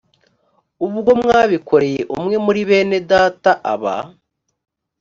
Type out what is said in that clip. ubwo mwabikoreye umwe muri bene data aba